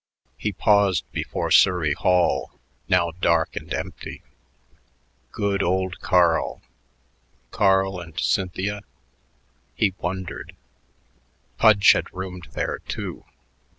He paused before Surrey Hall, now dark and empty. Good old Carl.... Carl and Cynthia? He wondered.... Pudge had roomed there, too.